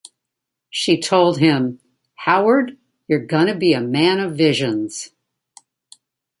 She told him, Howard, you're gonna be a man of visions.